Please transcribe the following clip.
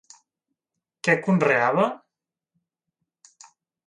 Què conreava?